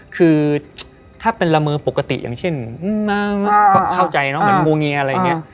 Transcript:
คือถ้าเป็นละมือปกติอย่างเช่นก็เข้าใจเนอะเหมือนงูเงียอะไรอย่างนี้